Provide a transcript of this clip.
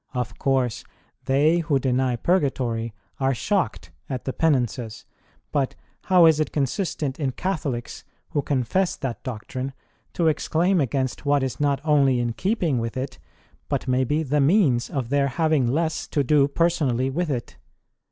Of course, they who deny Purgatory are shocked at the Penances ; but how is it consistent in Catholics, who confess that doctrine, to exclaim against what is not only in keeping with it, but may be the means of their having less to do personally with it